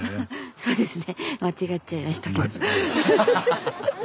そうですね。